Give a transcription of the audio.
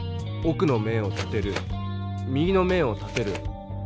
奥の面を立てる右の面を立てる。